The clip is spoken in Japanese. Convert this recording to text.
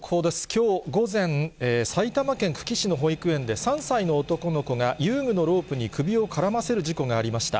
きょう午前、埼玉県久喜市の保育園で、３歳の男の子が遊具のロープに首を絡ませる事故がありました。